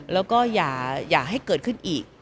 แล้วก็อย่าให้เกิดขึ้นอีก